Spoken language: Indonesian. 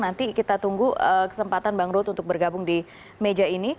nanti kita tunggu kesempatan bang ruth untuk bergabung di meja ini